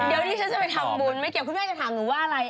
เดี๋ยวดิฉันจะไปทำบุญไม่เกี่ยวคุณแม่จะถามหนูว่าอะไร